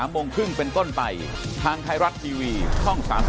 มาก